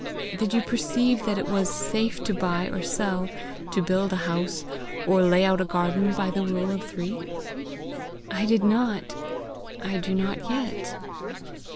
Did you perceive that it was safe to buy or sell, to build a house, or lay out a garden, by the rule of three?" "I did not. I do not yet."